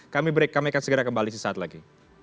kami break kami akan segera kembali sesaat lagi